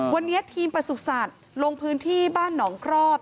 วันนี้ทีมประสุทธิ์สัตว์ลงพื้นที่บ้านหนองครอบ